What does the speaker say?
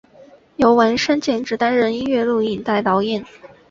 由丸山健志担任音乐录影带导演。